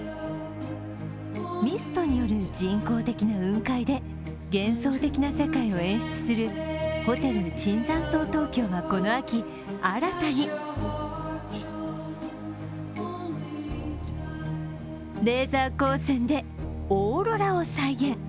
ミストによる人工的な雲海で幻想的な世界を演出するホテル椿山荘東京はこの秋新たにレーザー光線でオーロラを再現。